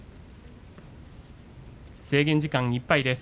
制限時間いっぱいです。